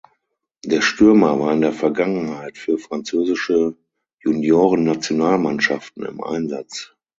Der Stürmer war in der Vergangenheit für französische Juniorennationalmannschaften im Einsatz.